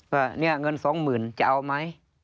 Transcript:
ว่าเนี่ยเงินสองหมื่นจะเอาไหม